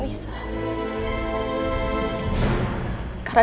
nisa sudah terlalu banyak bikin kesalahan sama mama